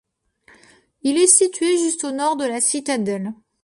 Il est situé juste au Nord de la citadelle.